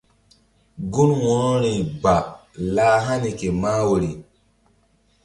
Gun wo̧rori ba lah hani ke mah woyri.